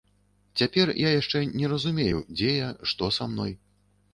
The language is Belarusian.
Цяпер я яшчэ не разумею, дзе я, што са мной.